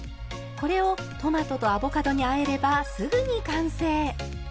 これをトマトとアボカドにあえればすぐに完成。